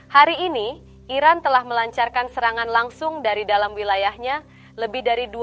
hari ini iran telah melancarkan serangan langsung dari dalam wilayahnya lebih dari dua puluh